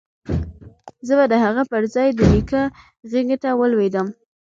زه به د هغه پر ځاى د نيکه غېږې ته ولوېدم.